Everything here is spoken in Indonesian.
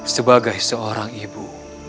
sebagai seorang ibu